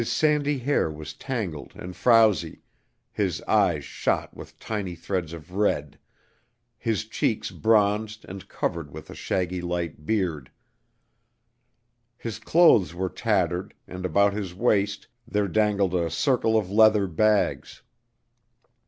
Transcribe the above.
His sandy hair was tangled and frowsy, his eyes shot with tiny threads of red, his cheeks bronzed and covered with a shaggy light beard. His clothes were tattered, and about his waist there dangled a circle of leather bags.